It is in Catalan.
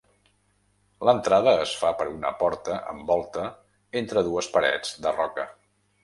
L'entrada es fa per una porta amb volta entre dues parets de roca.